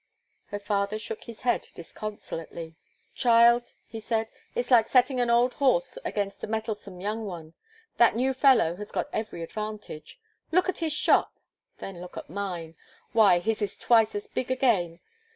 Her father shook his head disconsolately. "Child," he said, "it's like setting an old horse against a mettlesome young one. That new fellow has got every advantage. Look at his shop, then look at mine; why, his is twice as big again.